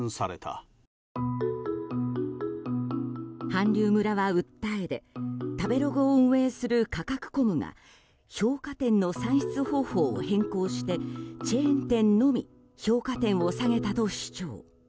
韓流村は訴えで食べログを運営するカカクコムが評価点の算出方法を変更してチェーン店のみ評価点を下げたと主張。